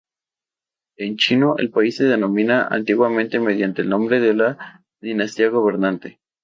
En chino, el país se denominaba antiguamente mediante el nombre de la dinastía gobernante.